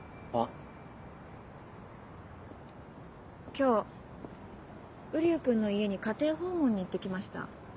今日瓜生君の家に家庭訪問に行ってきました。